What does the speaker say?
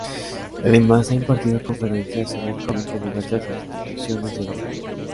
Además, ha impartido conferencias sobre cómic en diversas instituciones de Europa.